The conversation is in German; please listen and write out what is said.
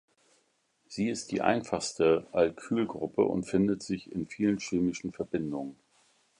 Sie ist die einfachste Alkylgruppe und findet sich in vielen chemischen Verbindungen.